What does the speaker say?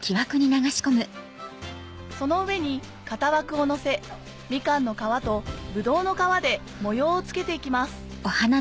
その上に型枠を乗せみかんの皮とぶどうの皮で模様を付けていきます